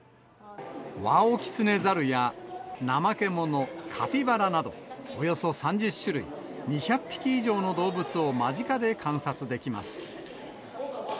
ワオキツネザルやナマケモノ、カピバラなど、およそ３０種類２００匹以上の動物を間近で観察できます。